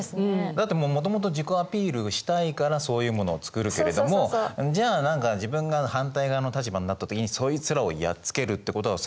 だってもともと自己アピールしたいからそういうものを作るけれどもじゃあ何か自分が反対側の立場になった時にそいつらをやっつけるってことは更に上の技術が必要って。